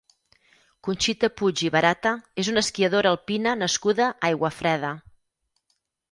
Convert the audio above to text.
Conxita Puig i Barata és una esquiadora alpina nascuda a Aiguafreda.